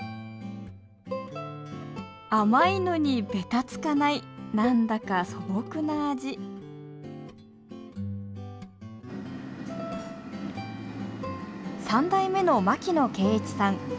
甘いのにベタつかない何だか素朴な味３代目の牧野啓一さん。